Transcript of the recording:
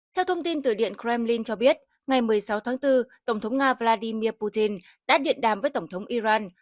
theo thông tin từ điện kremlin cho biết ngày một mươi sáu tháng bốn tổng thống nga vladimir putin đã điện đàm với tổng thống iran